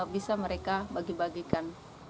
bisa mereka bagi bagikan